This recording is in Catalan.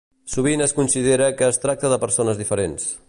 Sovint es considera que es tracta de persones diferents.